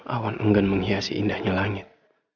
awan enggan menghiasi indahnya langit